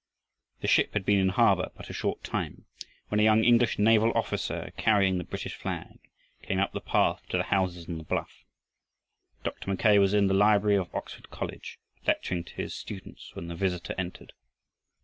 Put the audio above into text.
The ship had been in the harbor but a short time when a young English naval officer, carrying the British flag, came up the path to the houses on the bluff. Dr. Mackay was in the library of Oxford College, lecturing to his students, when the visitor entered.